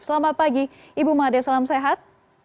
selamat pagi ibu made salam sehat